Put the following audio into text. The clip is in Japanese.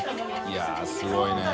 い筺すごいね。